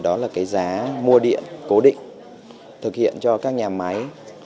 đó là cái giá mua điện cố định thực hiện cho các nhà máy